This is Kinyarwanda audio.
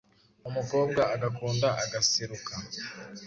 umukobwa agakunda agaseruka.